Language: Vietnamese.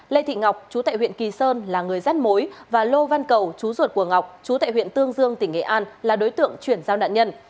lê thị ngọc chú tại huyện kỳ sơn là người rắt mối và lô văn cầu chú ruột của ngọc chú tại huyện tương dương tỉnh nghệ an là đối tượng chuyển giao nạn nhân